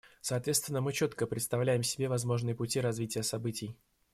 Соответственно, мы четко представляем себе возможные пути развития событий.